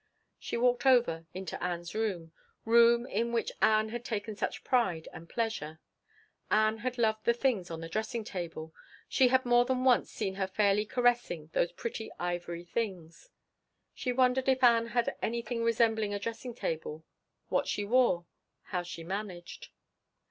She walked over into Ann's room room in which Ann had taken such pride and pleasure. Ann had loved the things on the dressing table, she had more than once seen her fairly caressing those pretty ivory things. She wondered if Ann had anything resembling a dressing table what she wore how she managed.